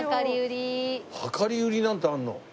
量り売りなんてあるの？